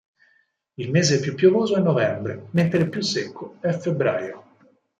Il mese più piovoso è novembre, mentre il più secco è febbraio.